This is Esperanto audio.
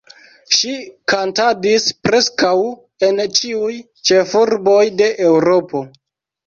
Ŝi kantadis preskaŭ en ĉiuj ĉefurboj de Eŭropo.